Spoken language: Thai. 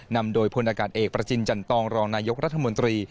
นำโดยพลอากาศเอกประจินจันตรองรองนายกรัฐมนตรี